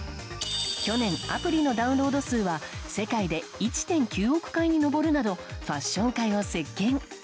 去年、アプリのダウンロード数は世界で１．９億回に上るなどファッション界を席巻。